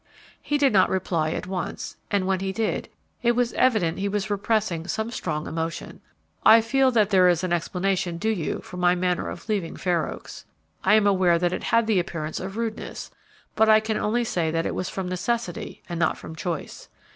He did not reply at once, and when he did, it was evident he was repressing some strong emotion. "I feel that there is an explanation due you for my manner of leaving Fair Oaks. I am aware that it had the appearance of rudeness, but I can only say that it was from necessity and not from choice.